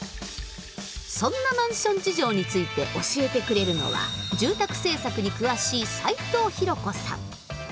そんなマンション事情について教えてくれるのは住宅政策に詳しい齊藤広子さん。